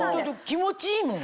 気持ちいいもん！